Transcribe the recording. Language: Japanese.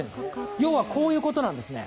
要はこういうことなんです。